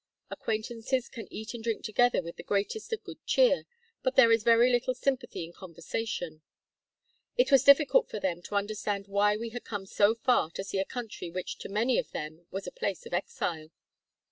Acquaintances can eat and drink together with the greatest of good cheer, but there is very little sympathy in conversation. It was difficult for them to understand why we had come so far to see a country which to many of them was a place of exile.